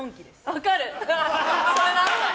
分かる！